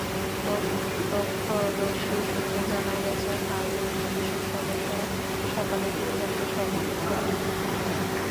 প্রত্যক্ষদর্শী সূত্রে জানা গেছে, হাইওয়ে পুলিশের সদস্যরা সকালে তিন যাত্রীসহ মোটরসাইকেলটি থামিয়ে দেন।